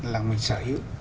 là mình sở hữu